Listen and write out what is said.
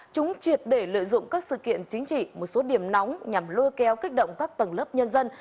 chúng triệt để lợi dụng các sự kiện chính trị một số điểm nóng nhằm lôi kéo kích động các tầng lớp nhân dân